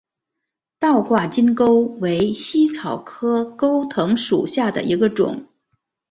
倒挂金钩为茜草科钩藤属下的一个种。